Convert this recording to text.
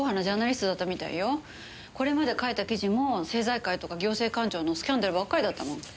これまで書いた記事も政財界とか行政官庁のスキャンダルばっかりだったもの。